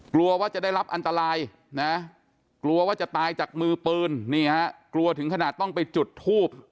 กลัวว่าจะได้รับอันตรายนะกลัวว่าจะตายจากมือปืนนี่ฮะกลัวถึงขนาดต้องไปจุดทูบ